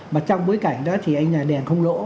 mà trong bối cảnh đó thì anh nhà đèn không lỗ